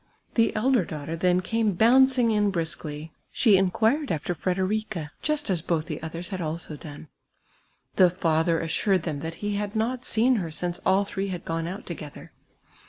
The elder daughter then came bouncing ia brisklv ; she inquired after Frcderiea, just as both the others had also done. The fatner assured them that he had not seen, her since all three had gone out together.